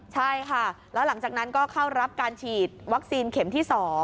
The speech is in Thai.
ใช่ค่ะแล้วหลังจากนั้นก็เข้ารับการฉีดวัคซีนเข็มที่๒